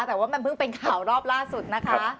แต่ว่ามันเพิ่งเป็นข่าวรอบล่าสุดนะคะ